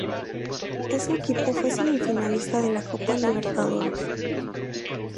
Ese equipo fue semifinalista de la Copa Libertadores.